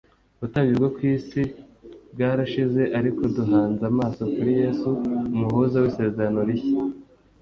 Ubutambyi bwo ku isi bwarashize ariko duhanze amaso kuri Yesu: "Umuhuza w'Isezerano Rishya."